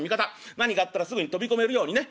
何かあったらすぐ飛び込めるようにね